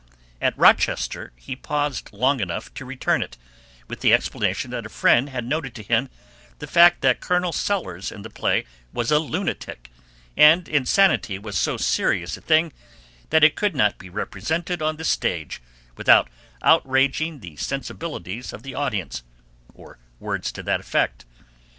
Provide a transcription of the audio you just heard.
At Rochester he paused long enough to return it, with the explanation that a friend had noted to him the fact that Colonel Sellers in the play was a lunatic, and insanity was so serious a thing that it could not be represented on the stage without outraging the sensibilities of the audience; or words to that effect.